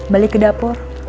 balik ke dapur